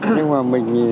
nhưng mà mình thì